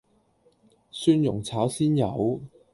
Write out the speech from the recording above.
蒜蓉炒鮮魷